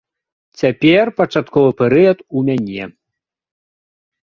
Цяпер пачатковы перыяд у мяне.